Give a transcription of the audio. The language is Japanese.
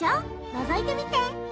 のぞいてみて。